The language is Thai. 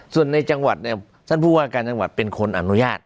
ส่วนในจังหวัดเนี่ยท่านผู้ว่าการจังหวัดเป็นคนอนุญาต